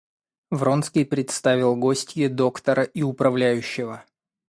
Вронский представил гостье доктора и управляющего.